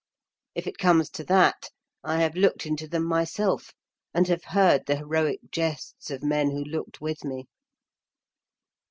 If it comes to that, I have looked into them myself, and have heard the heroic jests of men who looked with me.